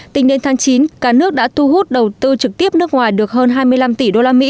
tính đến tháng chín cả nước đã thu hút đầu tư trực tiếp nước ngoài được hơn hai mươi năm tỷ usd